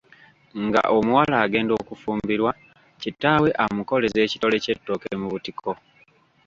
Nga omuwala agenda okufumbirwa kitaawe amukoleza ekitole ky’ettooke mu butiko.